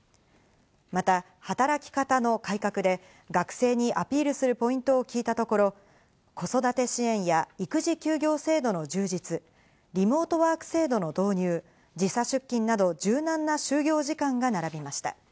また働き方の改革で学生にアピールするポイントを聞いたところ、子育て支援や育児休業制度の充実、リモートワーク制度の導入、時差出勤など柔軟な就業時間が並びました。